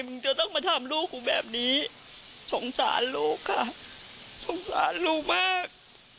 มึงจะต้องมาทำลูกกูแบบนี้สงสารลูกค่ะสงสารลูกมาก